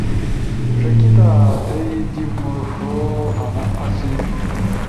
ݜکیتا تھئی جیِب مُوݜو آنا آسی۔